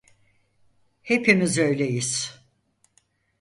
Hepimiz öyleyiz.